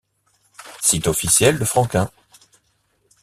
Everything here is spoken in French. Site officiel de Franquin.